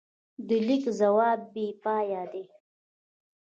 د لیک ځواک بېپایه دی.